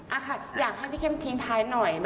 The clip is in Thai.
อะค่ะอยากให้พี่เข้มทิ้งท้ายหน่อย